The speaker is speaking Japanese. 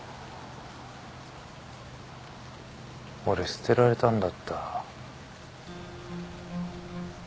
俺捨てられたんだった。